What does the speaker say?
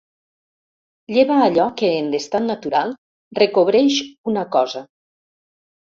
Lleva allò que, en l'estat natural, recobreix una cosa.